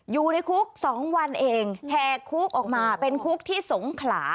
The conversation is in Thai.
อยู่ในคุก๒วันเองแห่คุกออกมาเป็นคุกที่สงขลา